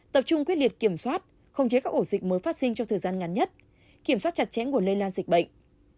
tập trung quyết liệt kiểm soát không chế các ổ dịch mới phát sinh trong thời gian ngắn nhất kiểm soát chặt chẽ nguồn lây lan dịch bệnh